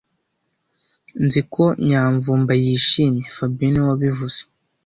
Nzi ko Nyamvumba yishimye fabien niwe wabivuze